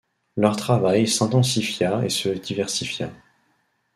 Leur travail s’intensifia et se diversifia.